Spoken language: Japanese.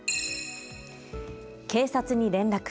警察に連絡。